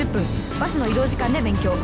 バスの移動時間で勉強